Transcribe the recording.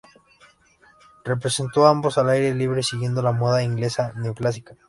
Representó a ambos al aire libre, siguiendo la moda inglesa neoclásica.